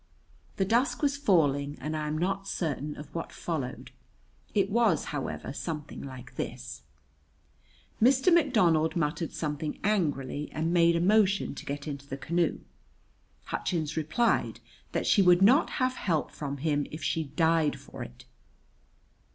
The dusk was falling and I am not certain of what followed. It was, however, something like this: Mr. McDonald muttered something angrily and made a motion to get into the canoe. Hutchins replied that she would not have help from him if she died for it.